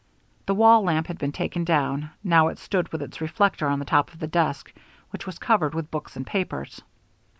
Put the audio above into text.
The wall lamp had been taken down; now it stood with its reflector on the top of the desk, which was covered with books and papers.